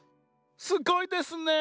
すごいですね。